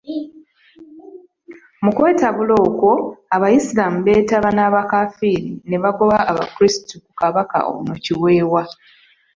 Mu kwetabula okwo, Abaisiraamu beetaba n'abakafiiri ne bagoba Abakristu ku Kabaka ono Kiweewa.